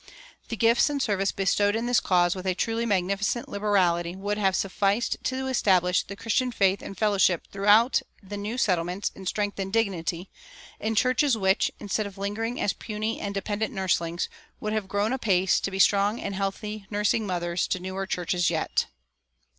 The gifts and service bestowed in this cause with a truly magnificent liberality would have sufficed to establish the Christian faith and fellowship throughout the new settlements in strength and dignity, in churches which, instead of lingering as puny and dependent nurslings, would have grown apace to be strong and healthy nursing mothers to newer churches yet.